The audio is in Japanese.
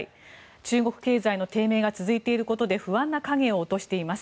中国経済の低迷が続いていることで不安な影を落としています。